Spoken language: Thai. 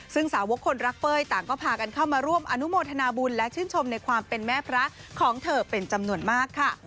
ซึ่งสาวกคนรักเป้ยต่างก็พากันเข้ามาร่วมอนุโมทนาบุญและชื่นชมในความเป็นแม่พระของเธอเป็นจำนวนมากค่ะ